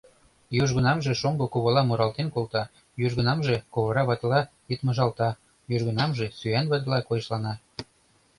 Южгунамже шоҥго кувала муралтен колта, южгунамже ковыра ватыла йытмыжалта, южгунамже сӱан ватыла койышлана.